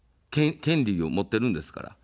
権利を持っているんですから。